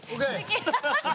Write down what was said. ハハハハ！